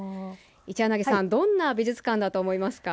一柳さん、どんな美術館だと思いますか。